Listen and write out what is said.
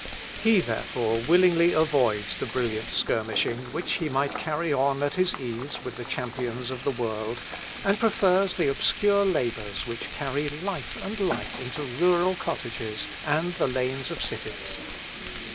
He therefore willingly avoids the brilliant skirmishing, which he might carry on at his ease with the champions of the world, and prefers the obscure labours which carry life and light into rural cottages, and the lanes of cities.